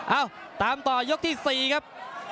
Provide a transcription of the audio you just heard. เอ้าตามต่อยกที่๔ครับ